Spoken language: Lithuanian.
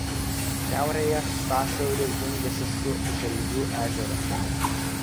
Šiaurėje sąsiauriu jungiasi su Želvų ežeru.